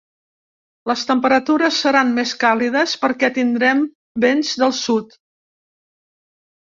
Les temperatures seran més càlides perquè tindrem vents del sud.